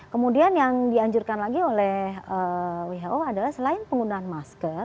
kemudian yang dianjurkan lagi oleh who adalah selain penggunaan masker